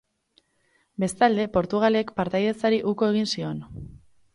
Bestalde Portugalek partaidetzari uko egin zion.